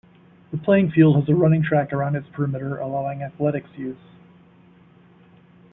The playing field has a running track around its perimeter allowing athletics use.